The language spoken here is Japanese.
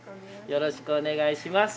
よろしくお願いします。